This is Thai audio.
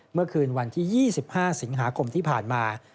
เมื่อคืนวันที่๒๕สิงหาคมที่ผ่านมา